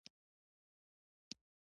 بوټونه دې وباسه، دا د بوډا بستره ده.